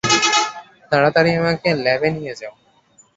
তাড়াতাড়ি আমাকে ল্যাবে নিয়ে যাও।